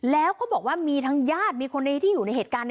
แล้วเขาบอกว่ามีทั้งญาติมีคนที่อยู่ในเหตุการณ์